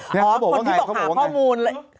พี่ฮะบอกว่าไงบอกว่าไงฮะก็สนิทหาข้อมูลเลย